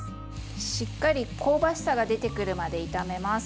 しっかり香ばしさが出てくるまで炒めます。